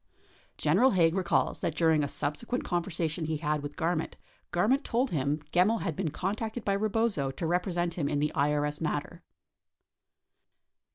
59 General Haig recalls that during a subsequent conversation he had with Gar ment, Garment had told him Gemmill had been contacted by Rebozo to represent him in the IRS matter.